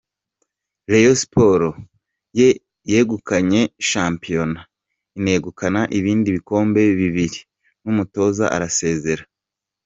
Reyo siporo yegukanye Shampiona, inegukana ibindi bikombe bibiri n’umutoza arasezera.